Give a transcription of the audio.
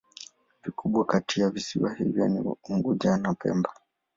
Vikubwa kati ya visiwa hivyo ni Unguja na Pemba.